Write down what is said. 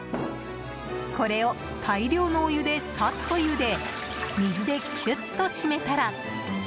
これを大量のお湯でサッとゆで水でキュッと締めたら。